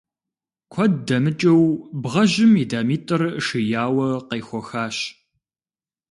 Куэд дэмыкӀыу бгъэжьым и дамитӀыр шияуэ къехуэхащ.